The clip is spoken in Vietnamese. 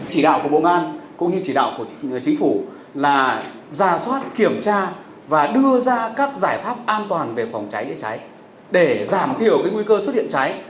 chỉ đạo của bộ ngan cũng như chỉ đạo của chính phủ là ra soát kiểm tra và đưa ra các giải pháp an toàn về phòng cháy để cháy để giảm thiểu cái nguy cơ xuất hiện cháy